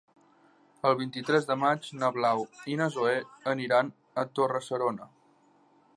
El vint-i-tres de maig na Blau i na Zoè aniran a Torre-serona.